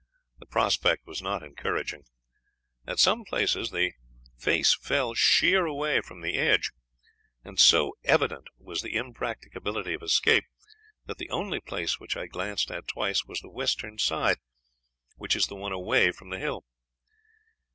The prospect was not encouraging. At some places the face fell sheer away from the edge, and so evident was the impracticability of escape that the only place which I glanced at twice was the western side, that is the one away from the hill.